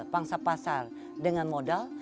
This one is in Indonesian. pangsa pasar dengan modal